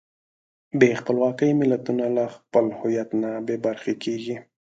بې خپلواکۍ ملتونه له خپل هویت نه بېبرخې کېږي.